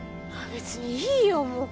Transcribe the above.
別にいいよもう。